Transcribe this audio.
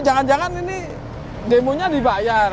jangan jangan ini demo nya dibayar